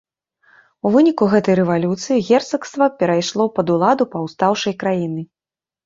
У выніку гэтай рэвалюцыі герцагства перайшло пад уладу паўстаўшай краіны.